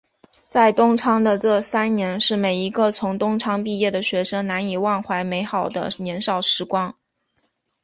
在东昌的这三年是每一个从东昌毕业的学生难以忘怀美好的年少时光。